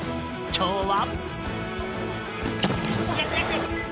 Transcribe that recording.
今日は。